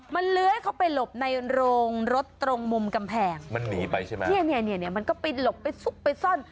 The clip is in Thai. มันเลื้อยเข้าไปหลบในโรงรถตรงมุมกำแพงมันหนีไปใช่ไหมเนี่ยเนี่ยมันก็ไปหลบไปซุกไปซ่อน